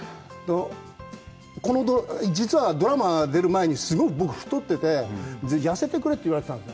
実はドラマ出る前にすごく、僕、太ってて、痩せってくれって言われてたんです。